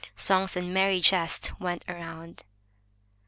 Songs and merry jests went roimd.